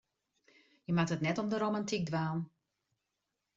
Je moatte it net om de romantyk dwaan.